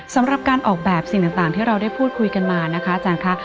สำหรับการออกแบบสิ่งต่างที่เราได้พูดคุยกันมานะคะอาจารย์ค่ะ